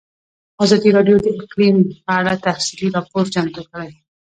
ازادي راډیو د اقلیم په اړه تفصیلي راپور چمتو کړی.